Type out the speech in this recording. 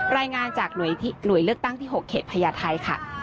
รายงานจากหน่วยเลือกตั้งที่๖เขตพญาไทยค่ะ